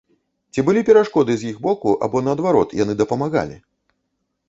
Ці былі перашкоды з іх боку або, наадварот, яны дапамагалі?